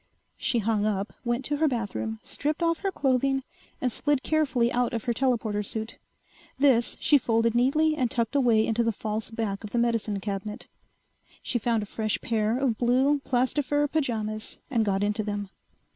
She hung up, went to her bathroom, stripped off her clothing, and slid carefully out of her telporter suit. This she folded neatly and tucked away into the false back of the medicine cabinet. She found a fresh pair of blue, plastifur pajamas and got into them.